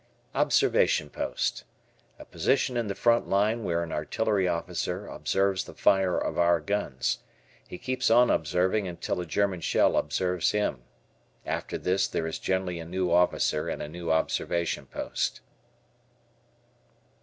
Observation Post. A position in the front line where an artillery officer observes the fire of our guns. He keeps on observing until a German shell observes him. After this there is generally a new officer and a new observation post.